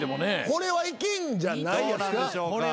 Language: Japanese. これはいけんじゃないですか？